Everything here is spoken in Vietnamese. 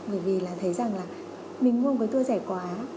bởi vì là thấy rằng là mình mua một cái tour rẻ quá